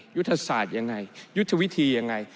ยุทธศาสตร์อย่างไรยุทธวิธีอย่างไร